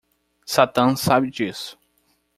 Satã sabe disso.